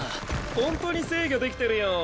ほんとに制御できてるよ。